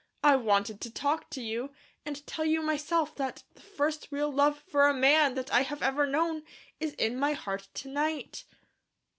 I wanted to talk to you, and tell you myself, that the first real love for a man that I have ever known, is in my heart to night."